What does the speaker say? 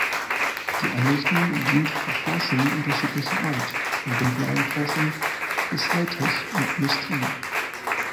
Die Einrichtung dient für Forschungen unterschiedlicher Art, von Grundlagenforschung bis High-Tech und Industrie.